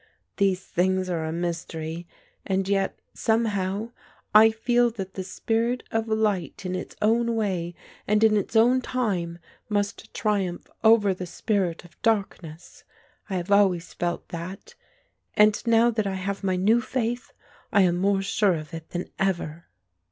These things are a mystery and yet somehow I feel that the spirit of light in its own way and its own time must triumph over the spirit of darkness. I have always felt that; and now that I have my new faith, I am more sure of it than ever."